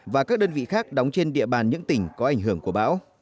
và các đơn vị khác đóng trên địa bàn những tỉnh có ảnh hưởng của bão